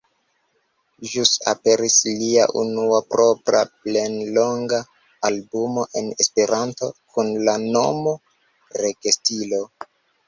Ĵus aperis lia unua propra plenlonga albumo en Esperanto kun la nomo Regestilo.